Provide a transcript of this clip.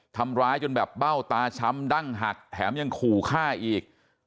ทำร้ายจนแบบเบ้าตาช้ำดั้งหักแถมยังขู่ฆ่าอีก